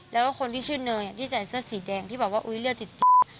แล้วก็คนที่ชื่อเนยที่ใส่เสื้อสีแดงที่บอกว่าอุ๊ยเลือดติด